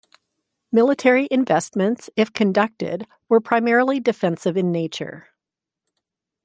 Military investments, if conducted, were primarily defensive in nature.